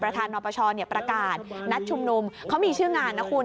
ประธานนปชประกาศนัดชุมนุมเขามีชื่องานนะคุณ